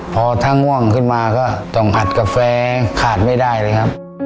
พอถ้าง่วงขึ้นมาก็ต้องอัดกาแฟขาดไม่ได้เลยครับ